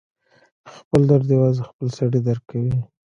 خپل درد یوازې خپله سړی درک کوي.